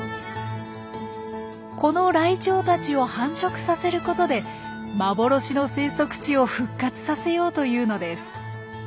このライチョウたちを繁殖させることで幻の生息地を復活させようというのです。